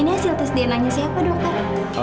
ini hasil tes dna nya siapa dokter